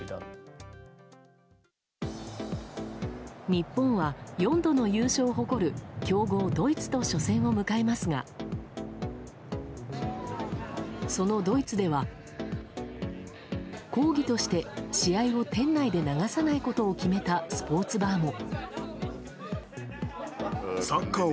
日本は、４度の優勝を誇る強豪ドイツと初戦を迎えますがそのドイツでは、抗議として試合を店内で流さないことを決めたスポーツバーも。